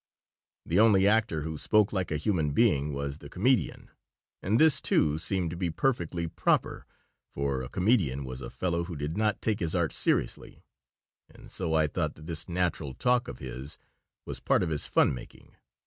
The only actor who spoke like a human being was the comedian, and this, too, seemed to be perfectly proper, for a comedian was a fellow who did not take his art seriously, and so I thought that this natural talk of his was part of his fun making.